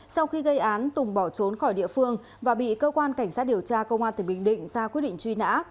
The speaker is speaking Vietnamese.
sau khi gây án tùng bỏ trốn khỏi địa phương và bị cơ quan cảnh sát điều tra công an tỉnh bình định ra quyết định truy nã